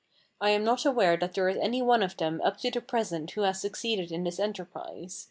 I am not aware that there is any one of them up to the present who has succeeded in this enterprise.